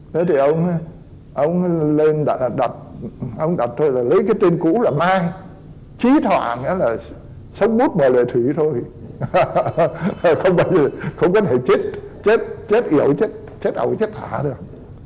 thế thì ông đặt tôi lấy cái tên cũ là mai trí thoạn sống bút bò lệ thủy thôi không có thể chết chết ẩu chết thả đâu